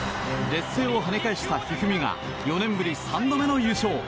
劣勢を跳ね返した一二三が４年ぶり３度目の優勝。